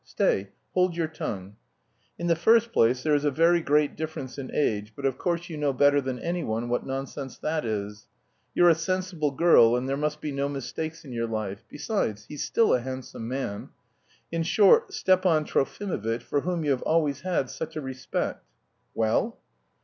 "Stay, hold your tongue. In the first place there is a very great difference in age, but of course you know better than anyone what nonsense that is. You're a sensible girl, and there must be no mistakes in your life. Besides, he's still a handsome man... In short, Stepan Trofimovitch, for whom you have always had such a respect. Well?"